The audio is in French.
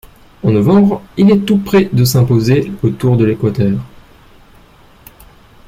En novembre, il est tout près de s'imposer au Tour de l'Équateur.